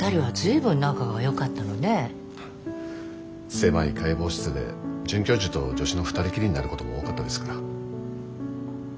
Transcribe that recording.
狭い解剖室で准教授と助手の２人きりになることも多かったですから。